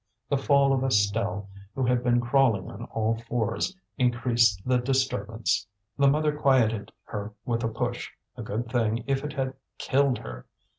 The fall of Estelle, who had been crawling on all fours, increased the disturbance. The mother quieted her with a push a good thing if it had killed her!